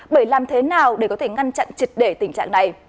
bởi làm thế nào để có thể ngăn chặn triệt để tình trạng này